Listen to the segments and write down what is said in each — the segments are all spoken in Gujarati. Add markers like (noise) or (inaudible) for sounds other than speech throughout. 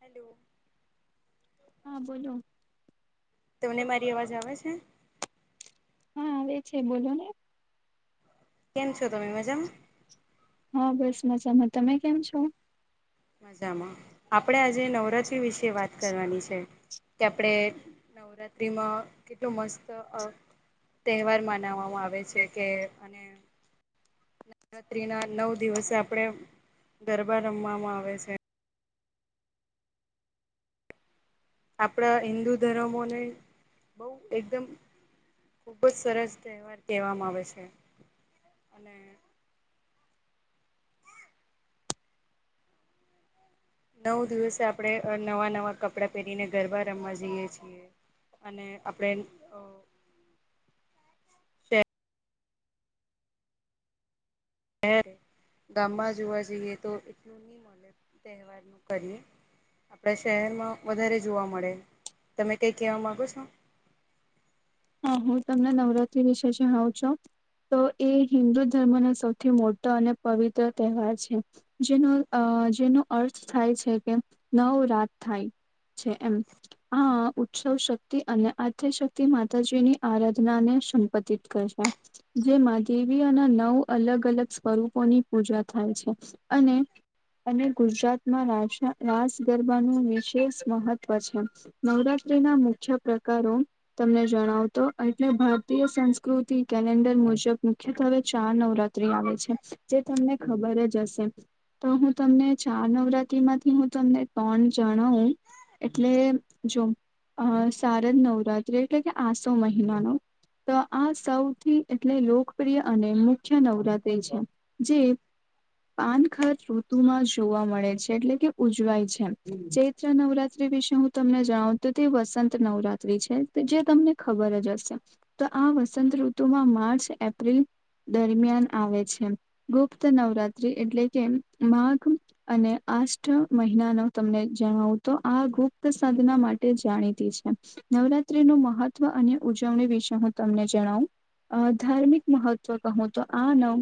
હેલો. હા બોલો. તમને મારી અવાજ આવે છે? હા આવે છે બોલો ને કેમ છો તમે મજામાં? હ બસ મજામાં તમે કેમ છો? મજામાં આપડે આજે નવરાત્રી વિશે વાત કરવાની છે. કે આપડે નવરાત્રિમાં કેટલું મસ્ત અ તહેવાર મનાવામાં આવે છે, કે અને નવરાત્રીના નવ દિવસે આપડે ગરબા રમવામાં આવે છે. આપડા હિન્દુ ધરમોને બઉ એકદમ ખુબ જ સરસ તહેવાર કહેવામાં આવે છે, અને નવ દિવસે આપડે અ નવા-નવા કપડા પહેરીને ગરબા રમવા જઈએ છીએ. અને આપડે અ એમ ગામમાં જોવા જઈએ તો એટલું ની મલે તહેવારનું કરીએ આપડા શહેરમાં વધારે જોવા મળે તમે કઈ કહેવા માંગો છો. હા હું તમને નવરાત્રી વિશે જણાવ છો. તો એ હિન્દુ ધર્મનો સૌથી મોટો અને પવિત્ર તહેવાર છે જેનો અ જેનો અર્થ થાય છે કે નવ રાત થાય. છે એમ આ ઉત્સવ શક્તિ અને આધ્યાશક્તિ મા માતાજીની આરાધનાને સંપતિત કરશે જે માં દેવી અને નવ અલગ અલગ સ્વરૂપોની પૂજા થાય છે અને અને ગુજરાતમાં રાસ ગરબાનું વિશેષ મહત્વ છે નવરાત્રી ના મુખ્ય પ્રકારો તમને જણાવુ તો એટલે ભારતીય સંસ્કૃતિ કેલેન્ડર મુજબ મુખ્યત્વે ચાર નવરાત્રી આવે છે જે તમને ખબર જ હશે. તો હું તમને ચાર નવરાત્રી માંથી હું તમને ત્રણ જણાવું. એટલે જો શારદ નવરાત્રી એટલે કે આસો મહિનાનો તો આ સૌથી એટલે લોકપ્રિય અને મુખ્ય નવરાત્રિ છે જે પાનખર ઋતુમાં જોવા મળે છે એટલે કે ઉજવાય છે ચૈત્ર નવરાત્રી વિશે હું તમને જણાવું તો તે વસંત નવરાત્રી છે. જે તમને ખબર જ હશે તો આ વસંત ઋતુમાં માર્ચ એપ્રિલ દરમિયાન આવે છે ગુપ્ત નવરાત્રી એટલે કે માઘ અને આસ્થ મહિનાનો તમને જણાવું તો આ ગુપ્ત સાધના માટે જાણીતી નું મહત્વ અને ઉજવણી વિશે હું તમને જણાવું. અ ધાર્મિક મહત્વ કહું તો આ નવ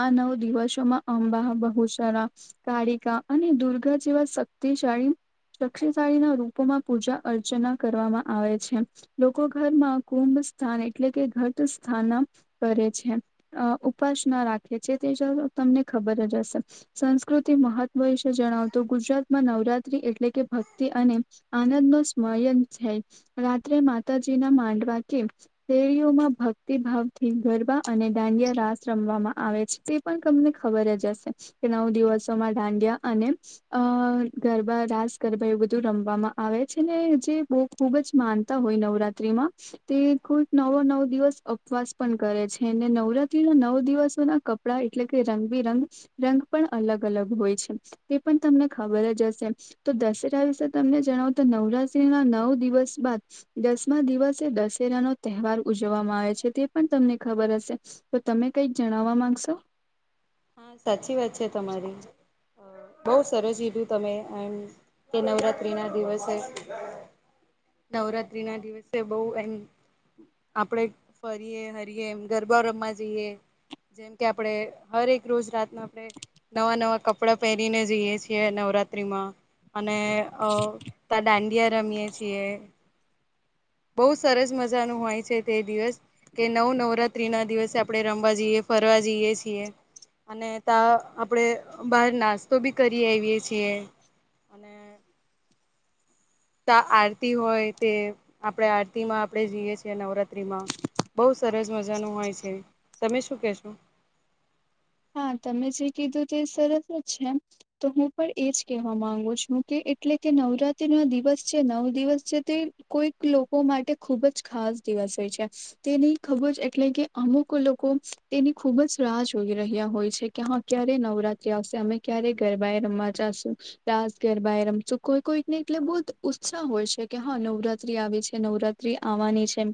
આ નવ દિવસોમાં અંબા બહુચરા કાળીકા અને દુર્ગા જેવા શક્ષશાળી શક્ષશાળીના રૂપમાં પૂજા અર્ચના કરવામાં આવે છે લોકો ઘરમાં કુંભ સ્થાન એટલે કે ઘટ સ્થાન કરે છે. અ ઉપાસના રાખે છે તે તમને ખબર જ હશે સંસ્કૃતિ મહત્વ જણાવતો ગુજરાતમાં નવરાત્રી એટલે કે ભક્તિ અને આનંદનો સ્મયન છે. રાત્રે માતાજીના માંડવા કે શેડીઓમાં ભક્તિ ભાવથી ગરબા અને દાંડિયા રાસ રમવામાં આવે છે તે પણ તમને ખબર જ હશે કે નવ દિવસોમાં દાંડિયા અને અ ગરબા રાસ ગરબા એવું બધું રમવામાં આવે છે ને જે બ ખુબ જ માનતા હોય નવરાત્રીમાં તે કોઈક નવો નવ દિવસ ઉપવાસ પણ કરે છે અને નવરાત્રીના નવ દિવસો ના કપડા એટલે કે રંગબિરંગ રંગ પણ અલગ અલગ હોય છે. તે પણ તમને ખબર જ હશે તો દસેરા વિશે તમને જણાવો તો નવરાત્રીના નવ દિવસ બાદ દસમા દિવસે દશેરાનો તહેવાર ઉજવવામાં આવે છે તે પણ તમને ખબર જ હશે તો તમે કઈક જણાવવા માંગશો. હા સાચી વાત છે તમારી. બઉ સરસ લીધું તમે એમ કે નવરાત્રી ના દિવસે. નવરાત્રીના દિવસે બહ એમ આપડે ફરીએ હરીએ એમ ગરબા રમમાં જઈએ જેમ કે આપડે હરે એક રોજ રાતના આપણે નવા નવા કપડાં પહેરીને જઈએ છીએ નવરાત્રીમાં. અને અ તા દાંડિયા રમીયે છીએ. બઉુ સરસ મજાનું હોય છે તે દિવસ કે નવ નવરાત્રીના દિવસે આપણે રમવા જઈએ. ફરવા જઈએ છીએ. અને ત્યા આપડે બહાર નાસ્તો બી કરી આવીએ છીએ. અને તો આરતી હોય તે આપણે આરતીમાં આપણે જઈએ છીએ નવરાત્રીમાં બહુ સરસ મજાનું હોય છે તમે શું કેશો. હા તમે જે કીધું તે સરસ જ છે તો હું પણ એજ કેવા માંગુ છું કે એટલે કે નવરાત્રીનો દિવસ છે નવ દિવસ છે તે કોઈક લોકો માટે ખુબ જ ખાસ દિવસ હોય છે તેની ખૂબ જ એટલે કે અમુક લોકો તેની ખૂબ જ રાહ જોઈ રહ્યા હોય છે કે હા ક્યારે નવરાત્રી આવશે અમે ક્યારે ગરબા રમવા જશું દસ ગરબા કોઈ કોઈને એટલે બહ ઉત્સાહ હોય છે કે હા નવરાત્રી આવી છે નવરાત્રી આવવાની છે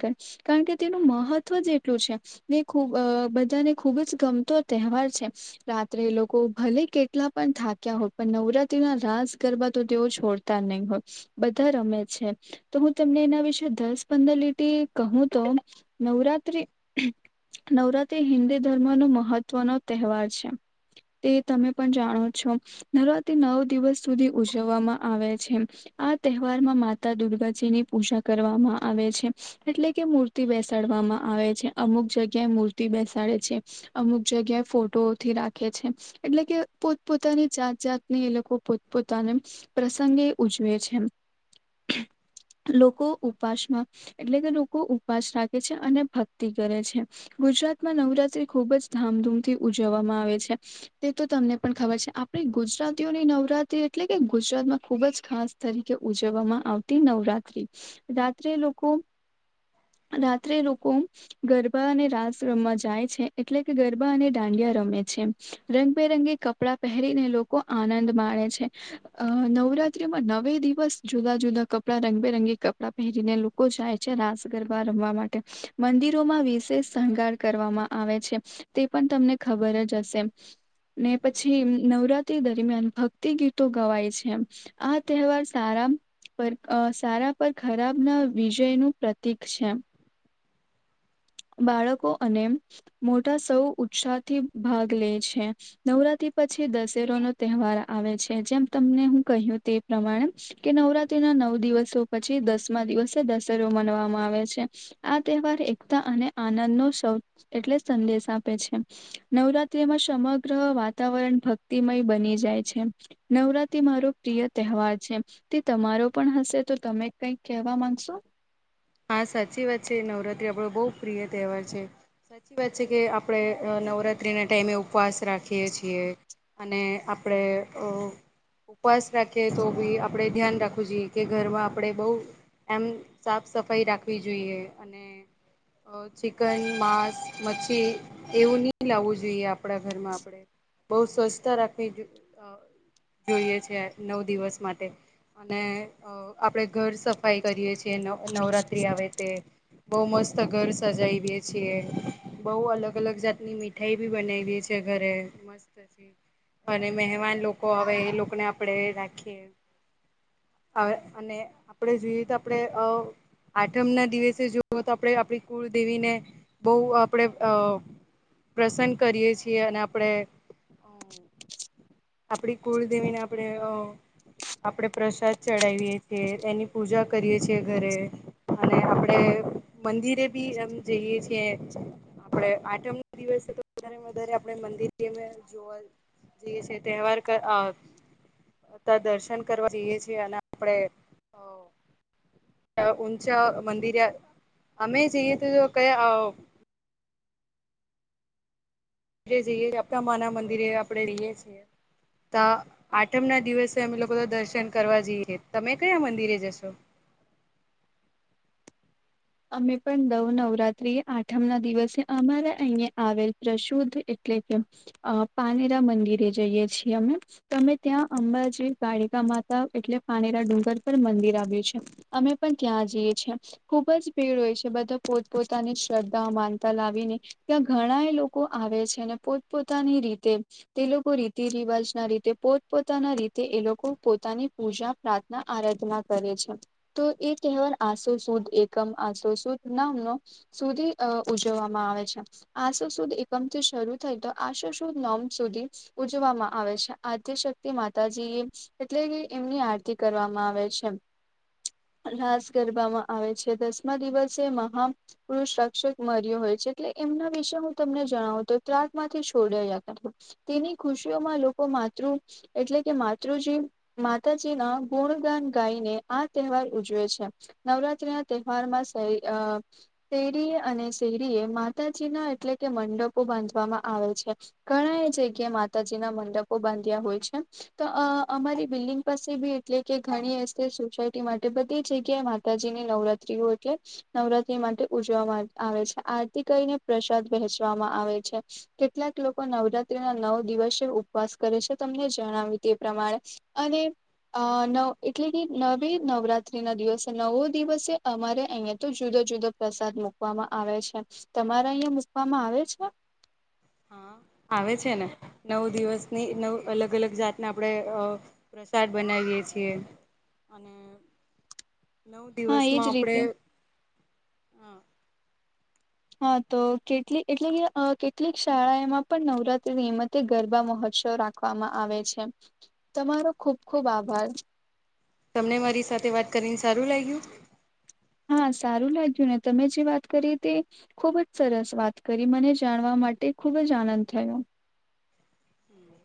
કારણ કે તેનું મહત્વ જેટલું છે ને ખબ બધાને ખુબ જ ગમતો તહેવાર છે રાત્રે લોકો ભલે કેટલા પણ થાક્યા હોય પણ નવરાત્રી ના રાસ ગરબા છોડતા નહી હો બધા રમે છે તો હું તમને એના વિશે દસ પંદર લીટર કહું તો નવરાત નવરાત્રી હિન્દુ ધર્મ નું મહત્વ વ નો તહેવાર છે તે તમે પણ જાણો છો નવરાત્ર નવ દિવસ સુધી ઉજવવામાં આવે છે આ તહેવાર માં માતા દુર્ગાજી ની પૂજા કરવામાં આવે છે એટલે કે મૂર્તિ બેસાડવા આવે છે અમુક જગ્યાએ મૂર્તિ બેસાડે છે અમુક જગ્યા ફોટોથી રાખે છે એટલે કે પોતપોતાની જાત જાતની એ લોકો પોતપતાની પ્રસંગે ઉજવે છે (inaudible) લોકો ઉપાસમાં એટલે કે લોકો ઉપાસ રાખે છે અને ભક્તિ કરે છે ગુજરાતમાં નવરાત્રી ખૂબ જ ધામધૂમથી ઉજવવામાં આવે છે તે તો તમને પણ ખબર છે આપડી ગુજરાતીઓની નવરાત્રી એટલે કે ગુજરાતમાં ખુબ જ ખાસ તરીકે ઉજવવામાં આવતી નવરાત્રી રાત્રે લોકો રાત્રે લોકો ગરબા અને રાસ રમમાં જાય છે એટલે કે ગરબા અને દાંડિયા રમે છે રંગબેરંગી કપડા પહેરીને લોકો આનંદ માણે નવરાત્રીમાં નવે દિવસ જુદા જુદા કપડા રંગબેરંગી કપડાં પહેરીને લોકો જાય છે રાસ ગરબા રમવા માટે મંદિરોમાં વિશેષ શણગાર કરવામાં આવે છે તે પણ તમને ખબર જ હશે ને પછી નવરાત્રી દરમિયાન ભક્તિ ગીતો ગવાય છે આ તહેવાર સારા પર સારા પર ખરાબ ના વિજયનુંું પ્રતીિક છે બાળકો અને મોટા સૌ ઉત્સાહથી ભાગ લે છે નવરાત્રી પછી દશેરો નો તહેવાર આવે છે જેમ તમને હું કહ્યું તે પ્રમાણે કે નવરાત્રી ના નવ દિવસો પછી દસ દિવસે દસરો મનવામાં આવે છે આ તહેવાર અને આનંદ નો એટલે સંદેશ આપે છે નવરાત્રીમાં સમગ્ર વા વાતાવરણ ભક્તિમય બની જાય છે નવરાતિ મારો પ્રિય તહેવાર છે તે તમા મારો પણ હશે તો તમે કઈ કેવા માંગશો હા સાચી વાત છે નવરાત્રી આપડો બહુ પ્રિય તહેવાર છે સાચી વાત છે કે આપડ નવરાત્ર્રીના ટાઈમે ઉપવાસ રાખીએ છીએ અને આપણે ઉપવાસ રાખેએ તો બી આપડે ધ્યાન રાખવું જોઈએ કે ઘરમાં આપણેે બહ એમ સાફ સફાઈ રાખવી જોઈએ અને ચિકન માંસ મચ્છી એવું નહી લાવવું જોઈએ આપણા ઘરમાં આપણેે બહુ સ્વચ્છતા રાખવી જોઈએ છે નવ દિવસ માટે અને આપણેે ઘર સફાઈ કરીયએ છીએ નવરાત્ર્રી આવે તે બઉુ મસ્ત ઘર સજાવી દે છીએ બઉુ અલગ અલગ જાતની મીઠાઈ ભી બનાવી દે છેએ ઘરે મસ્તસીી અને મહેમાન લોકો હવે એ લોકોને આપડે રાખીએ અને આપડે જોઈએ તો આપડે આઠમ ના દિવસે જોવ તો આપણે આપણી કુળદેવીને બહ આપણેે અ પ્રસન્ન કરીએ છીએ અને આપણેે આપડી કુળદેવીને આપણેે આપણેે પ્રસાદ ચડાવીએ છીએ એની પૂજા કરીએ છીએ ઘરે અને આપડે મંદિરે બી એમ જઈએ છીએ આપડે આઠમ નો દિવસે તો વધ આપણે મંદિર જોવા જઈએ છે તહેવાર દર્શન કરવા જઈએ છીએ અને આપડણે ઊંચ મંદિર અમે જઈએ તો ક અ એ જઈએ આપણા મા ના મંદિરે આપડે રઈએ છીએ ત આઠમ ના દિવસે અમે લોકો તો દર્શન કરવા જઈએ તમે કયા મંદિરે જશો (inaudible) અમે પણ દવ નવરાત્રીએ આઠમ ના દિવસે અમારા અહીયા આવેલ પ્રશુદ્ધ એટલે કે અ પાનેરા મંદિરે જઈએ છીએ અમે અમે ત્યાં અંબાજી કાળીકા માતા એટલે પાનેરા ડુંગર પર મંદિર આવ્યુ છે અમે પણ ત્યાં જઈએ છીએ ખુબ જ પેડ હોય છે બધા પોતપોતાની શ્રદ્ધા માનતા લાવીને ત્યા ઘણા એ લોકો આવે છે પોતપોતાની રીતે તે લોકો રીતિ રિવાજ ના રીતે પોતપોતાના રીતે એ લોકો પો પોતાની પૂજા પ્રાર્થના આરાધના કરે છે તો એ કહેવાર આસો સુદ એ આસો સુદ નામનો સુધી ઉજવવામા આવે છે આસો સુદ એકમથી શરૂ થાય તો આશો સુદ નોમ સુધી ઉજવામા આવે છે આદ્ય શક્તિ માતાજીએ એટલે કે એમની આરતી કરવામાં આવે છે રાશ કરવામા આવે છે દસમા દિવસે એ મહા પુરુષ રાક્ષક મર્યો હોય છે એટલે એમના વિશે હું તમને જણાવુ તો ત્રાક માંથી છોડયા તા તેની ખુશીઓમાં લોકો માતૃ એટલે કે માતૃ જ તે માતાજી ના ગુણગાન ગાઈને આ તહેવાર ઉજવે છે નવરાત્રી ના તહેવારમા શેરીએ અને શેરીએ માતાજીના એટલે કે મંડપો બાંધવામા આવે છે ઘણા એ જગ્યાએ માતાજીના મંડપો બાંધ્યા હોય છે તો અમારી બિલ્ડિંગ પાસે બી એટલે કે ઘણી હસે સોસાયટી માટે બધી જગ્યાએ માતાજીની નવરાત ત્રી એટલે નવરાત્રી માટે ઉજવામા આવે છે આરતી કરીને પ્રસાદ વહેચવામા આવે કેટલાક લોકો નવરાત્રી ના નવ દિવસે ઉપવાસ કરે છે તમને જણાવ્યુ તે પ્રમાણે અને અ નવ એટલે કે નવી નવરાત્રી ના દિવસે નવો દિવસે અમારે અહિયાં તો જુદો જુદો પ્રસાદ મુકવામા આવે છે તમારા અહિયાં મકવામા આવે છે હા આવે છે ને નવ દિવસની નવ અલગ અલગ જાતને આપડે અ પ્રસાદ બનાવી એ છીએ અને નવ હા એજ દિવસમા આપડે રીતે હ હા તો કેટલી એટલે કે અ કેટલીક શાળા એમા પણ નવરાત્રીની નિમતે ગરબા મહોત સો રાખવામા આવે છે તમારો ખુબ ખુબ આભાર તમને મારી સાથે વાત કરીને સારું લાયગ્યુ હા સારું લાગ્યુ ને તમે જે વાત કરી તે ખુબ જ સરસ વાત કરી મને જાણવા માટે ખુબ જ આનંદ થયો હમ